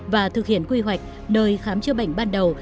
và thực hiện quy hoạch nơi khám chữa bệnh ban đầu